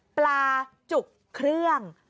ปลาจุกเครื่อง